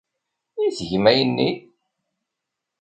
I tgem ayenni?